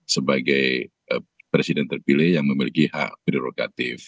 sebagai presiden terpilih yang memiliki hak prerogatif